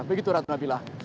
begitu ratu nabila